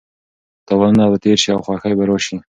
تاوانونه به تېر شي او خوښي به راشي.